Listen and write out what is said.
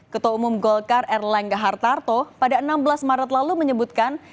ketua umum golkar erlangga hartarto pada enam belas maret lalu menyebutkan